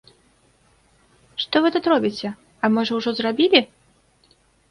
Што вы тут робіце, а можа, ужо зрабілі?